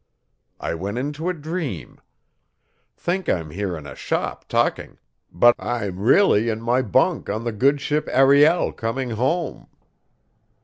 I went into a dream. Think I'm here in a shop talking but I'm really in my bunk on the good ship Arid coming home.